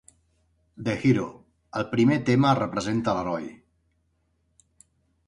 "The Hero": el primer tema representa l'heroi.